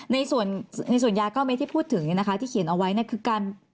ในส่วนยา๙เมตรที่พูดถึงเนี่ยนะคะที่เขียนเอาไว้เนี่ยคือการ